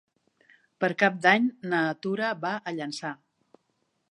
Per Cap d'Any na Tura va a Llançà.